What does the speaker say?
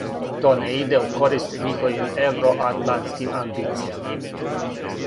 То не иде у корист њиховим евроатлантским амбицијама.